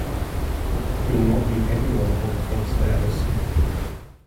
You’ll not meet any one on the front stairs.